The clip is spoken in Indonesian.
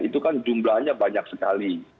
itu kan jumlahnya banyak sekali